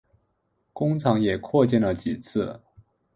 工厂也扩建了几次。